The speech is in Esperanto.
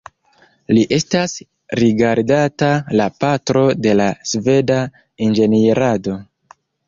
Li estas rigardata la patro de la sveda inĝenierado.